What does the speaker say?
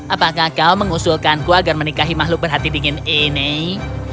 apakah kau mengusulkanku agar menikahi makhluk berhati dingin ini